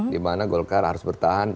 dimana golkar harus bertahan